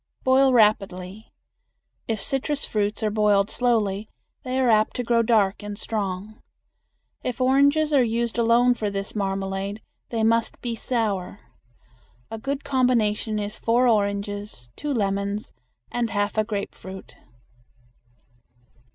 Boil rapidly. If citrus fruits are boiled slowly they are apt to grow dark and strong. If oranges are used alone for this marmalade they must be sour. A good combination is four oranges, two lemons, and half a grapefruit.